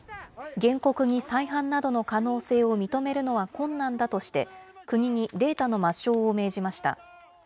原告に再犯などの可能性を認めるのは困難だとして、国にデータの抹消を命じました。